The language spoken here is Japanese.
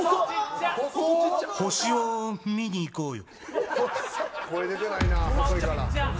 星を見に行こうよ。